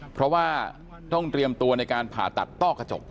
เพราะว่าต้องเตรียมตัวในการผ่าตัดต้อกระจก